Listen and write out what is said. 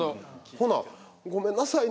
ほな「ごめんなさいね」